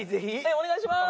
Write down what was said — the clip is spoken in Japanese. お願いします！